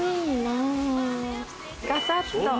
ガサっと。